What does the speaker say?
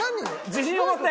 自信を持って！